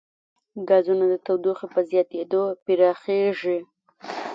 ګازونه د تودوخې په زیاتېدو پراخېږي.